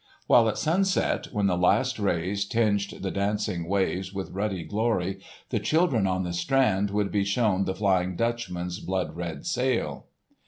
While at sunset, when the last rays tinged the dancing waves with ruddy glory, the children on the strand would be shown the Flying Dutchman's blood red sail.